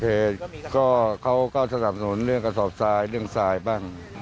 คือก็เขาก็สนับสนุนเรื่องกระสอบทรายเรื่องทรายบ้าง